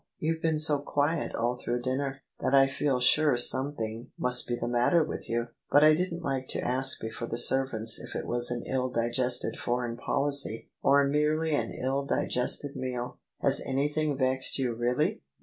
You've been so quiet all through dinner, that I feel sure something OF ISABEL CARNABY must be the matter with you: but I didn't like to ask before the servants if it was an ill digested foreign policy or merely an ill digested meal. Has anything vexed you really?"